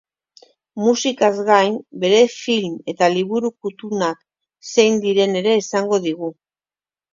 Musikaz gain, bere film eta liburu kutunak zein diren ere esango digu.